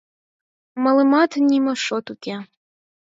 Малымат нимо шот уке.